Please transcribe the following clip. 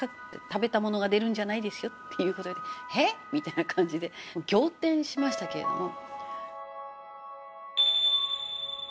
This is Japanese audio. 食べたものが出るんじゃないですよ」って言われてへっ⁉みたいな感じで仰天しましたけれども。